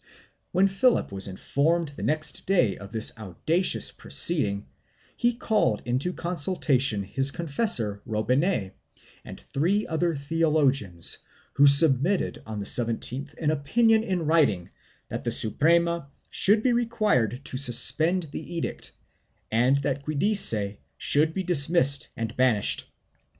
When Philip was informed the next day of this audacious proceeding he called into consultation his confessor Robinet and three other theologians, who submitted on the 17th an opinion in writing that the Suprema should be required to suspend the edict and that Giudice should be dismissed and banished.